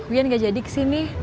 uyan gak jadi kesini